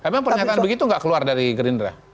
emang pernyataan begitu nggak keluar dari gerindra